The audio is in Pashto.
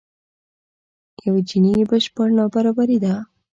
یو جیني بشپړ نابرابري ده.